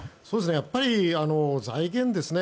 やっぱり財源ですね。